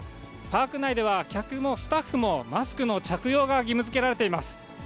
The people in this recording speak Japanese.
パーク内では客もスタッフも、マスクの着用が義務づけられています。